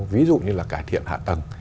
ví dụ như là cải thiện hạ tầng